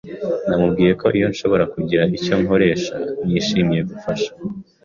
Namubwiye ko iyo nshobora kugira icyo nkoresha nishimiye gufasha.